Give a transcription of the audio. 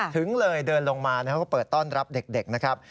ถึงเลยเดินลงมาเขาก็เปิดต้อนรับเด็กนะครับ